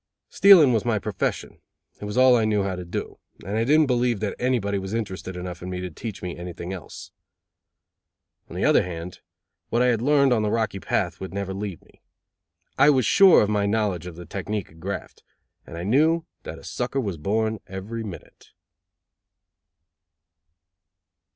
Stealing was my profession. It was all I knew how to do, and I didn't believe that anybody was interested enough in me to teach me anything else. On the other hand, what I had learned on the Rocky Path would never leave me. I was sure of my knowledge of the technique of graft, and I knew that a sucker was born every minute.